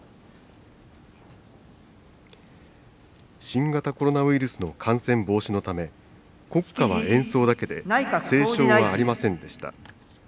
新型コロナウイルスの感染防止のため国歌は演奏だけで斉唱はありませんでした。